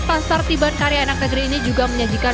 pasar tiban karya anak negeri ini juga menyajikan